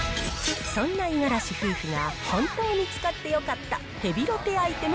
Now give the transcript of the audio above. そんな五十嵐夫婦が、本当に使ってよかったヘビロテアイテム